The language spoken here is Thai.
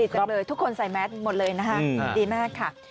จังเลยทุกคนใส่แมสหมดเลยนะคะดีมากค่ะ